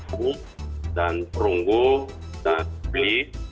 buku dan perunggu dan spil